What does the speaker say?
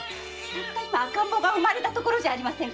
たった今赤ん坊が産まれたところじゃありませんか。